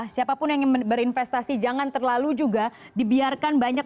siapa pun yang ingin berinvestasi jangan terlalu juga dibiarkan banyak